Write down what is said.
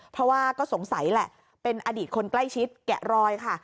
เพราะว่าก็สงสัยแหละเป็นอดีตคนใกล้ชิดแกะรอยค่ะ